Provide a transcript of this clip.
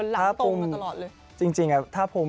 เดินหลังตรงมาตลอดเลย